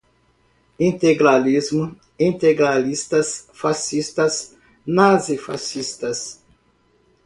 Integralismo, integralistas, fascistas, nazifascistas